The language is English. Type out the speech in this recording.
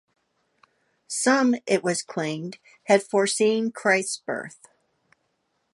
Some, it was claimed, had foreseen Christ's birth.